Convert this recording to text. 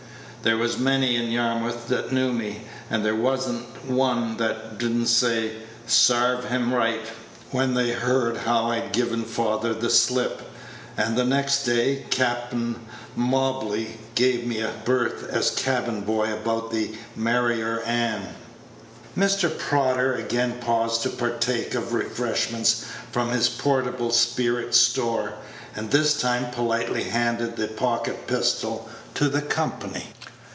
There was many in Yarmouth that knew me, and there was n't one that did n't say, 'Sarve him right,' when they heard how I'd given father the slip, and the next day Cap'en Mobley gave me a berth as cabin boy about the Mariar Anne." Mr. Prodder again paused to partake of refreshment from his portable spirit store, and this time politely handed the pocket pistol to the company.